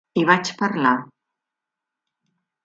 Hi vaig parlar.